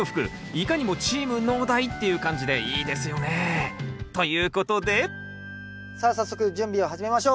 いかにもチーム農大っていう感じでいいですよね。ということでさあ早速準備を始めましょう。